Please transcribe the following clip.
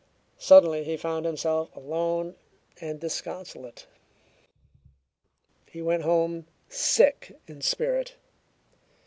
Suddenly he found himself alone and disconsolate. He went home sick in spirit.